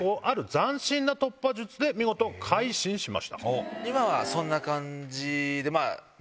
斬新な突破術で見事改心しました。